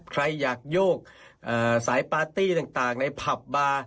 ใครอยากโยกสายปาร์ตี้ต่างในผับบาร์